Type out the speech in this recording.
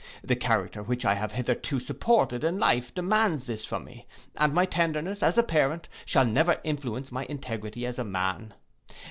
The character which I have hitherto supported in life demands this from me, and my tenderness, as a parent, shall never influence my integrity as a man.